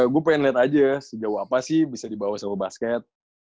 gue pengen lihat aja sejauh apa sih bisa dibawa sama basket